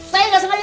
saya gak sengaja